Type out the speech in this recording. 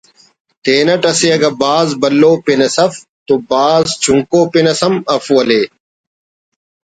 تینٹ اسہ اگہ بھاز بھلوپن اس اف تو بھاز چنکو پن اس ہم اف ولے